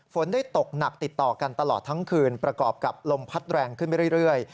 ฝนได้ตกหนักติดต่อกันตลอดทั้งคืนประกอบกับลมพัดแรงขึ้นไปเรื่อย